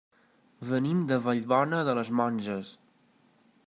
Venim de Vallbona de les Monges.